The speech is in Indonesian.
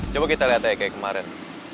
coba kita lihat aja kayak kemarin